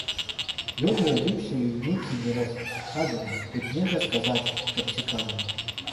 Ён уявіўся ёй нейкім неразгаданым, хоць нельга сказаць, каб цікавым.